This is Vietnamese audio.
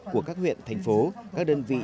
của các huyện thành phố các đơn vị